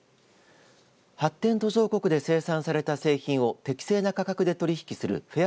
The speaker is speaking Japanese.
発展途上国で生産された製品を適正な価格で取り引きするフェア